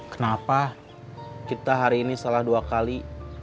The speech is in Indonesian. kenapa kita hari ini salah dua kali